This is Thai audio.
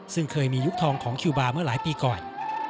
ซึ่งเคยมียุคทองของคิวบาร์เมื่อหลายปีก่อน